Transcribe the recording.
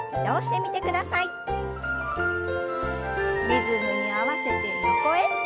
リズムに合わせて横へ。